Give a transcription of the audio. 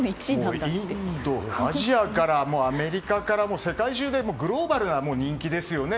アジアから、アメリカから世界中でグローバルな人気ですよね。